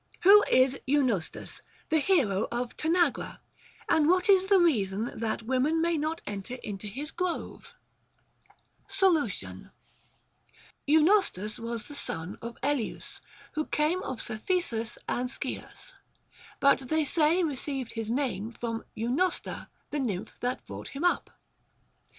Who is Eunostus, the hero of Tanagra ; and what is the reason that women may not enter into his grove \ 284 THE GREEK QUESTIONS. Solution. Eunostus was the son of Elieus who came of Cephisus and Scias, but they say received his name from Eunosta, the nymph that brought him up.